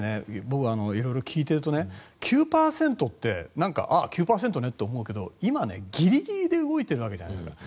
僕、色々聞いていると９％ってああ、９％ねって思うけど今、ギリギリで動いてるわけじゃないですか。